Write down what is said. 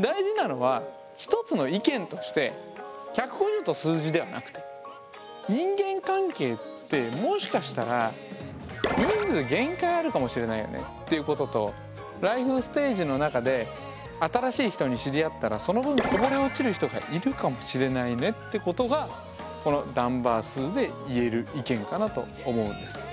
大事なのはひとつの意見として１５０という数字ではなくて人間関係ってもしかしたら人数限界あるかもしれないよねっていうこととライフステージの中で新しい人に知り合ったらその分こぼれ落ちる人がいるかもしれないねってことがこのダンバー数で言える意見かなと思うんです。